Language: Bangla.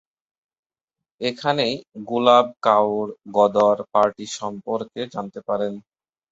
এখানেই গুলাব কাউর গদর পার্টি সম্পর্কে জানতে পারেন।